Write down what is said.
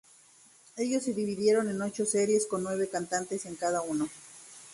Ellos se dividieron en ocho series con nueve cantantes en cada uno.